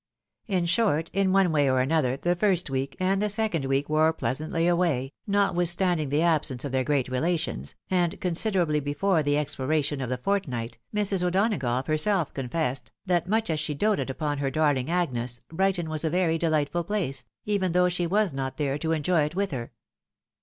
In short, in one way or another, the first week, and the second week wore pleasantly away, notwithstanding the absence of their great relations, and considerably before the expiration of the fortnight, Mrs. O'Donagough herself confessed, that much as she doted upon her darling Agnes, Brighton was a very deUghtful place, even though she was not there to enjoy it with her.